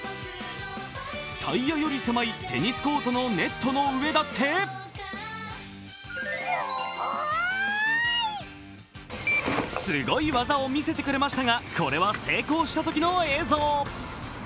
タイヤより狭い、テニスコートのネットの上だってすごい技を見せてくれましたが、これは成功したときの映像。